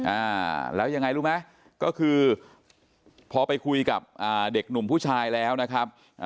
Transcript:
อ่าแล้วยังไงรู้ไหมก็คือพอไปคุยกับอ่าเด็กหนุ่มผู้ชายแล้วนะครับอ่า